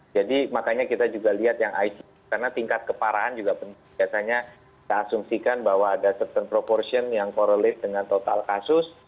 jadi makanya kita juga lihat yang icu karena tingkat keparahan juga biasanya kita asumsikan bahwa ada certain proportion yang correlate dengan total kasus